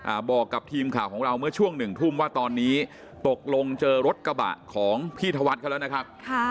บอกกับทีมข่าวของเราเมื่อช่วงหนึ่งทุ่มว่าตอนนี้ตกลงเจอรถกระบะของพี่ธวัฒน์เขาแล้วนะครับค่ะ